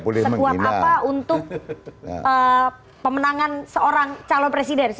pemenangan seorang calon presiden